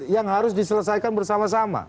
yang harus diselesaikan bersama sama